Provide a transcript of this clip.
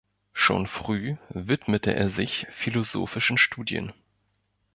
Schon früh widmete er sich philosophischen Studien.